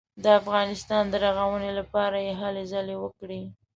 د افغانستان د رغونې لپاره یې هلې ځلې وکړې.